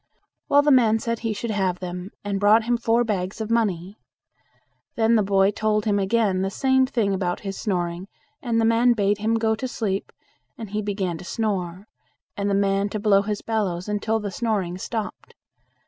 Well, the man said he should have them, and brought him four bags of money. Then the boy told him again the same thing about his snoring and the man bade him go to sleep, and he began to snore, and the man to blow his bellows until the snoring stopped.